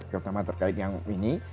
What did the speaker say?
terutama terkait yang ini